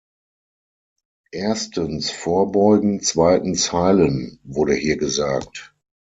Erstens vorbeugen, zweitens heilen, wurde hier gesagt.